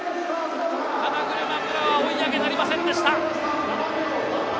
花車は追い上げなりませんでした。